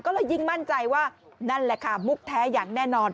ก็เลยยิ่งมั่นใจว่านั่นแหละค่ะมุกแท้อย่างแน่นอน